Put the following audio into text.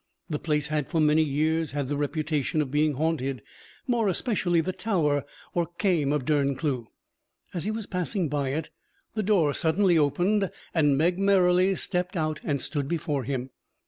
The place had for many years had the reputation of being haunted; more especially the tower, or Kaim, of Derncleugh. As he was passing by it, the door suddenly opened, and Meg Merrilies stepped out and stood before him.